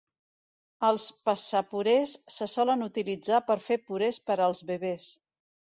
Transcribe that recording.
Els passapurés se solen utilitzar per fer purés per als bebès.